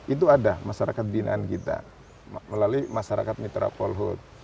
itu ada masyarakat binaan kita melalui masyarakat mitra polhut